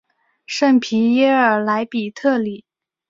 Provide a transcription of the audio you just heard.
圣皮耶尔莱比特里。